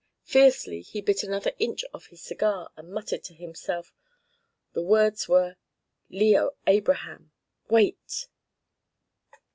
Fiercely he bit another inch off his cigar and muttered to himself. The words were "Leo Abraham! Wait!"